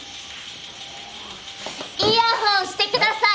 イヤホンしてください！